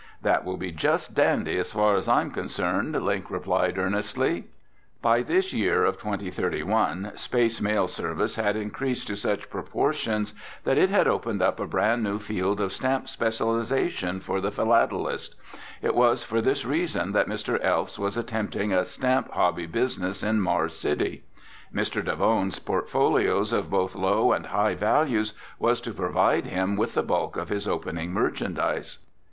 "That will be just dandy as far as I'm concerned," Link replied earnestly. By this year of 2031, space mail service had increased to such proportions that it had opened up a brand new field of stamp specialization for the philatelist. It was for this reason that Mr. Elfs was attempting a stamp hobby business in Mars City. Mr. Davone's portfolios of both low and high values was to provide him with the bulk of his opening merchandise.